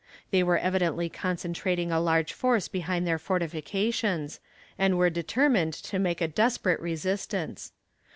They were evidently concentrating a large force behind their fortifications, and were determined to make a desperate resistance.